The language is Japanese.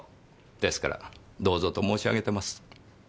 ですから「どうぞ」と申し上げてます。